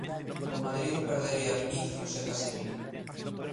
O Madrid perdería a Vinicius e Casemiro.